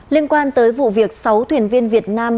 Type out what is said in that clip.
liên quan tới vụ việc sáu thuyền viên việt nam